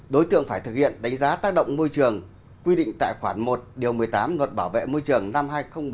đối tượng phải thực hiện đánh giá tác động môi trường quy định tại khoản một điều một mươi tám luật bảo vệ môi trường năm hai nghìn một mươi bảy